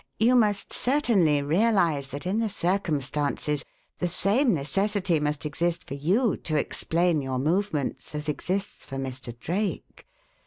You must certainly realize that in the circumstances the same necessity must exist for you to explain your movements as exists for Mr. Drake.